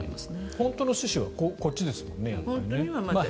本当の趣旨はこっちですもんね。